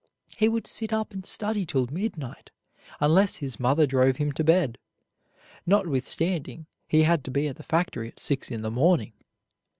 He would sit up and study till midnight unless his mother drove him to bed, notwithstanding he had to be at the factory at six in the morning.